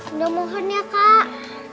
indah mohon ya kak